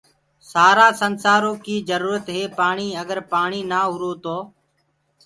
سآرآ سنسآرو ڪي جرورت هي پآڻيٚ اگر پآڻيٚ نآ هرو تو